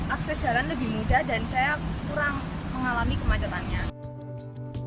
akses jalan lebih mudah dan saya kurang mengalami kemacetannya